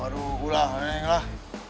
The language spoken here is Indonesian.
aduh gulah neng lah